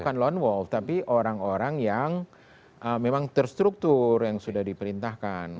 bukan lone wolf tapi orang orang yang memang terstruktur yang sudah diperintahkan